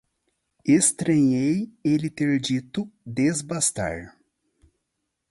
Estranhei ele ter dito “desbastar”.